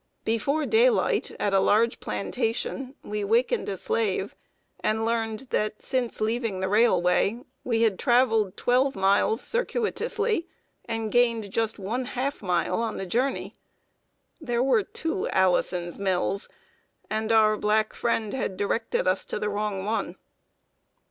Before daylight, at a large plantation, we wakened a slave, and learned that, since leaving the railway, we had traveled twelve miles circuitously and gained just one half mile on the journey! There were two Allison's Mills, and our black friend had directed us to the wrong one.